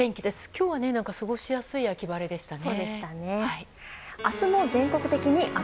今日は過ごしやすい秋晴れでしたね。